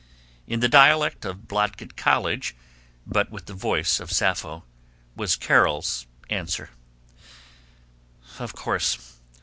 In the dialect of Blodgett College but with the voice of Sappho was Carol's answer: "Of course.